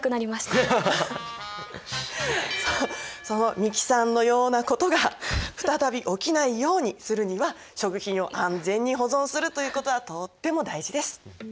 その美樹さんのようなことが再び起きないようにするには食品を安全に保存するということはとっても大事です。